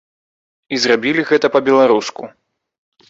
І зрабілі гэта па-беларуску.